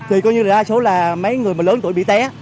thì coi như là đa số là mấy người mà lớn tuổi bị té